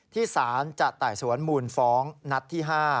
ที่ศาลจะใต่สวนหมุนฟ้องณที่๕